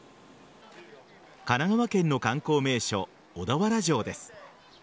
神奈川県の観光名所小田原城です。